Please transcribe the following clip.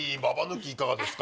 いかがですか？